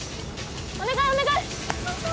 お願いお願い！